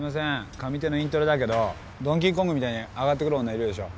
上手のイントレだけどドンキーコングみたいに上がってくる女いるでしょ。